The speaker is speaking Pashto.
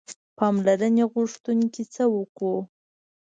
پاملرنې غوښتونکي څه وکړو.